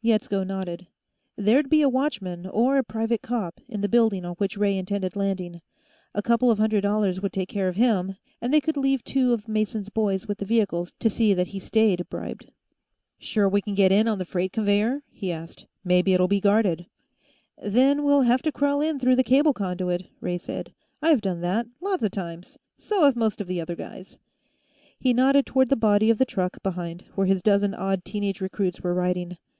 Yetsko nodded. There'd be a watchman, or a private cop, in the building on which Ray intended landing. A couple of hundred dollars would take care of him, and they could leave two of Mason's boys with the vehicles to see that he stayed bribed. "Sure we can get in on the freight conveyor?" he asked. "Maybe it'll be guarded." "Then we'll have to crawl in through the cable conduit," Ray said. "I've done that, lots of times; so have most of the other guys." He nodded toward the body of the truck, behind, where his dozen odd 'teenage recruits were riding.